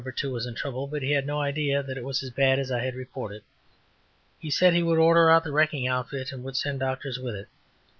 2. was in trouble, but he had no idea that it was as bad as I had reported. He said he would order out the wrecking outfit and would send doctors with it.